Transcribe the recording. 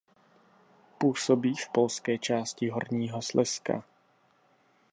Působí v polské části Horního Slezska.